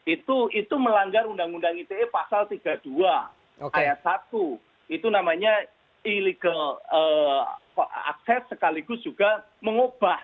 itu melanggar undang undang ite pasal tiga puluh dua ayat satu itu namanya illegal akses sekaligus juga mengubah